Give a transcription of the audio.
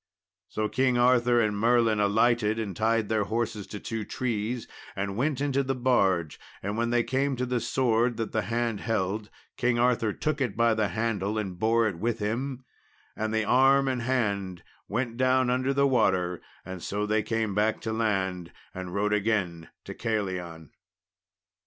So King Arthur and Merlin alighted, and tied their horses to two trees, and went into the barge; and when they came to the sword that the hand held, King Arthur took it by the handle and bore it with him, and the arm and hand went down under the water; and so they came back to land, and rode again to Caerleon.